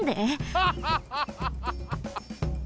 ハハハハハ！